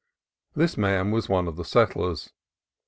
This man was one of the settlers.